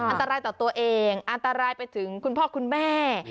อันตรายต่อตัวเองอันตรายไปถึงคุณพ่อคุณแม่